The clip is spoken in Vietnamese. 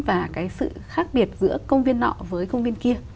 và cái sự khác biệt giữa công viên nọ với công viên kia